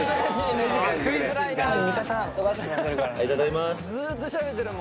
いただきます。